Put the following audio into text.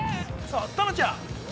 さあ、タナちゃん。